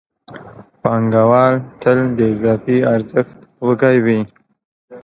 پانګوال تل د اضافي ارزښت وږی وي